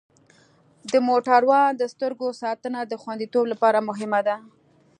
د موټروان د سترګو ساتنه د خوندیتوب لپاره مهمه ده.